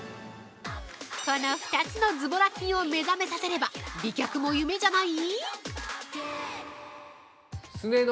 ◆この２つのズボラ筋を目覚めさせれば、美脚も夢じゃない！？